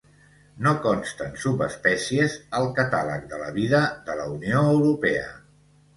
No consten subespècies al Catàleg de la Vida de la Unió Europea.